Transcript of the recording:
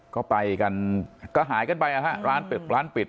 ก็ไปกันก็หายกันไปนะฮะร้านเป็ดร้านปิด